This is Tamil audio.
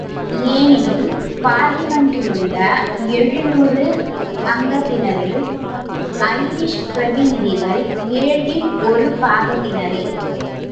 ஏனெனில் பார்லிமென்டிலுள்ள எழுநூறு அங்கத்தினரில் ஐரிஷ் பிரதிநிதிகள் ஏழில் ஒரு பாகத்தினரே.